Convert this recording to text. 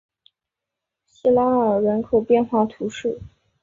西拉尔人口变化图示